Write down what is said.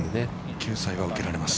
◆救済は受けられます。